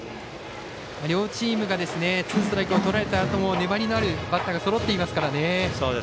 両チームがツーストライクをとられたあとも粘りのあるバッターがそろっていますからね。